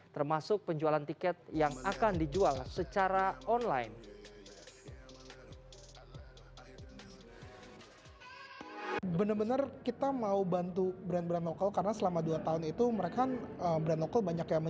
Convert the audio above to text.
termasuk penjualan tiket yang akan dijual secara online